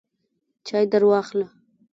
چای درواخله !